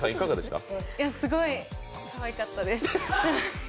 すごい、かわいかったです。